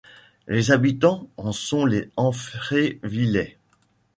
Les habitants en sont les Amfrevillais.